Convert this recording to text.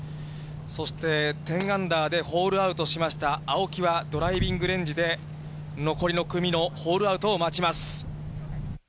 そして、１０アンダーでホールアウトしました、青木は、ドライビングレンジで、残りの組のホールアウトを待ちます。